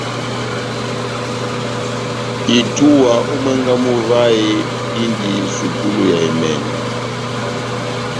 Itúwa ó mwángá mú vahe dindi sukulu ya emɛnɔ.